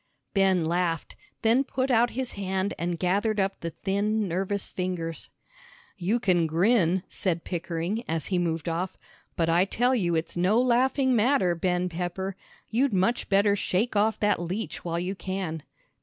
Ben laughed, then put out his hand and gathered up the thin nervous fingers. "You can grin," said Pickering, as he moved off, "but I tell you it's no laughing matter, Ben Pepper. You'd much better shake off that leech while you can."